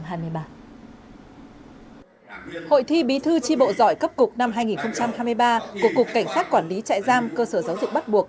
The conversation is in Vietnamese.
hội thi bí thư tri bộ giỏi cấp cục năm hai nghìn hai mươi ba của cục cảnh sát quản lý trại giam cơ sở giáo dục bắt buộc